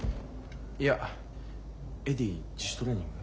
いやエディ自主トレーニング？